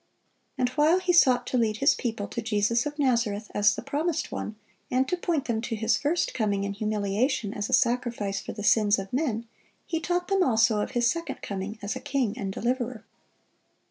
And while he sought to lead his people to Jesus of Nazareth as the Promised One, and to point them to His first coming in humiliation as a sacrifice for the sins of men, he taught them also of His second coming as a king and deliverer.